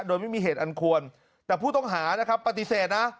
โดยไม่มีเหตุอันควรแต่ผู้ต้องหานะครับปฏิเสธนะ